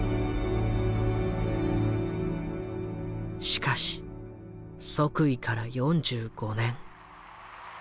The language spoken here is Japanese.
しかし即位から４５年。